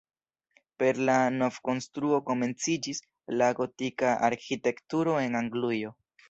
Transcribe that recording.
Per la novkonstruo komenciĝis la gotika arĥitekturo en Anglujo.